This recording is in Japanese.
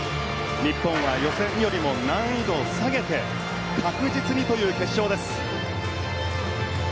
日本は予選よりも難易度を下げて確実にという決勝です。